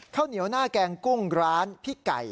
ข้าวเหนียวหน้าแกงกุ้งร้านพี่ไก่